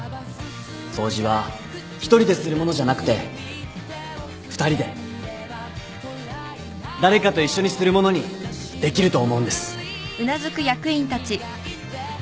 掃除は１人でするものじゃなくて２人で誰かと一緒にするものにできると思うんです。